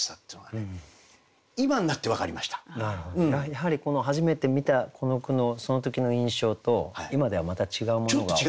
やはり初めて見たこの句のその時の印象と今ではまた違うものがおありなんですか？